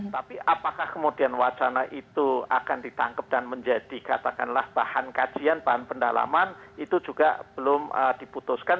tapi apakah kemudian wacana itu akan ditangkap dan menjadi katakanlah bahan kajian bahan pendalaman itu juga belum diputuskan